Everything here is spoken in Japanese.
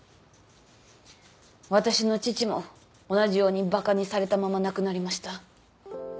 私の父も同じようにバカにされたまま亡くなりました。